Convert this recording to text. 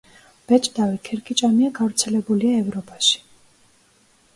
მბეჭდავი ქერქიჭამია გავრცელებულია ევროპაში.